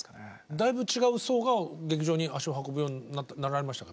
だいぶ違う層が劇場に足を運ぶようになられましたか？